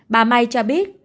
bà mai cho biết